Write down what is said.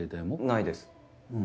ないです。